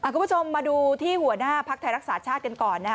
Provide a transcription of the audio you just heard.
คุณผู้ชมมาดูที่หัวหน้าภักดิ์ไทยรักษาชาติกันก่อน